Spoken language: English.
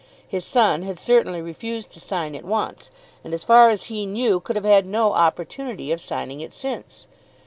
His son had certainly refused to sign it once, and as far as he knew could have had no opportunity of signing it since.